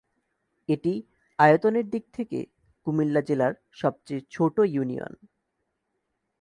এটি আয়তনের দিক থেকে কুমিল্লা জেলার সবচেয়ে ছোট ইউনিয়ন।